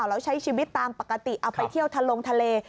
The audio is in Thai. แล้วใช้ชีวิตตามปกติเอาไปเที่ยวทะลงทะเล